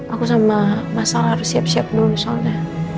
aku sama masalah harus siap siap dulu soalnya